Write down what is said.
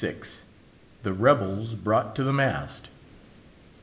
THE REBELS BROUGHT TO THE MAST.